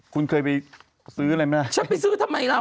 คุณเคยไปซื้ออะไรไหมล่ะฉันไปซื้อทำไมล่ะ